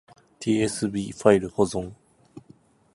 tsv ファイル保存